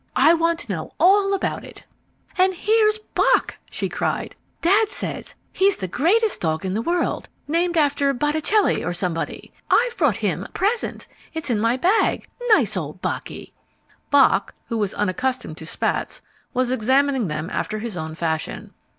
I want to know all about it." "And here's Bock!" she cried. "Dad says he's the greatest dog in the world, named after Botticelli or somebody. I've brought him a present. It's in my bag. Nice old Bocky!" Bock, who was unaccustomed to spats, was examining them after his own fashion.